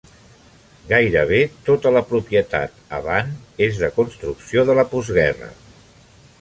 Gairebé tota la propietat a Van és de construcció de la postguerra.